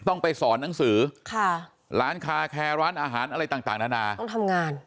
ต้องไปสอนหนังสือร้านคาแคร์ร้านอาหารอะไรต่างนานาต้องทำงาน